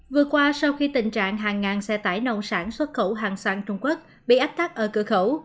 vừa qua sau khi tình trạng hàng ngàn xe tải nông sản xuất khẩu hàng sang trung quốc bị ách tắc ở cửa khẩu